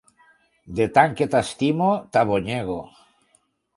De tant que t'estimo, t'abonyego.